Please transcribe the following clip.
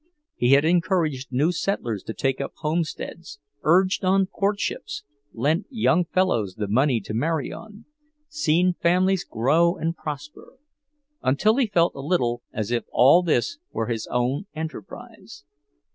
He had encouraged new settlers to take up homesteads, urged on courtships, lent young fellows the money to marry on, seen families grow and prosper; until he felt a little as if all this were his own enterprise.